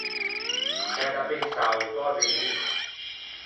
T’æ da pensâ a-o tò avvegnî.